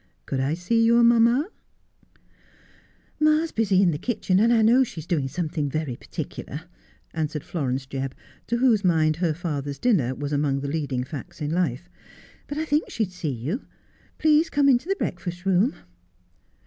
Could I see your mamma 1 '' Ma's busy in the kitchen, and I know she's doing something very particular,' answered Florence Jebb, to whose mind her father's dinner was among the leading facts in life ;' but I think she'd see you. Please come into the breakfast room.'